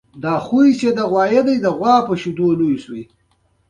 څه تېره پڅه له ځان سره گرځوه.